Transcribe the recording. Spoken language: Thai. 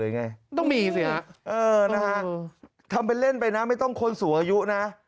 ไงต้องมีสิฮะเออนะฮะทำเป็นเล่นไปนะไม่ต้องคนสูงอายุนะ